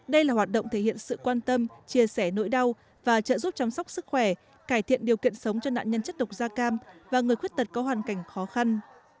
đây là hoạt động thể hiện sự quan tâm chia sẻ nỗi đau và trợ giúp chăm sóc sức khỏe cải thiện điều kiện sống cho nạn nhân chất độc da cam và người khuyết tật có hoàn cảnh khó khăn